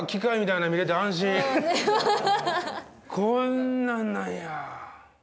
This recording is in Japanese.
こんなんなんや。